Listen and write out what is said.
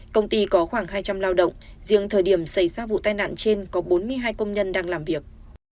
công ty có khoảng hai trăm linh lao động riêng thời điểm xảy ra vụ tai nạn trên có bốn mươi hai công nhân đang làm việc